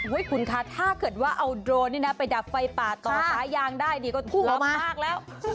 เว้ยคุณคะถ้าเกิดว่าเอาโดรนไปดับไฟป่าต่อซ้ายางได้ดีก็ล้อมมากแล้ว